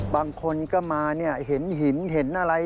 บางคนก็มาเห็นหินเห็นอะไร